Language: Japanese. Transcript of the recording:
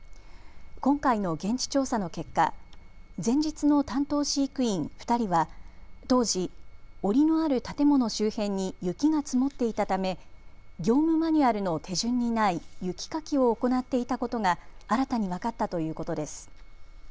今回の現地調査の結果、前日の担当飼育員２人は当時、おりのある建物周辺に雪が積もっていたため業務マニュアルの手順にない雪かきを行っていたことが新たに分かったということです。